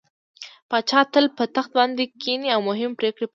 پاچا تل په تخت باندې کيني او مهمې پرېکړې پرې کوي.